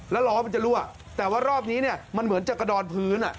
แล้วล้อมันจะรั่วแต่ว่ารอบนี้เนี่ยมันเหมือนจะกระดอนพื้น